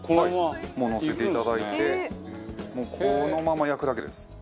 齊藤：もう、のせていただいてこのまま焼くだけです。